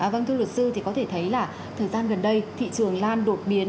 vâng thưa luật sư thì có thể thấy là thời gian gần đây thị trường lan đột biến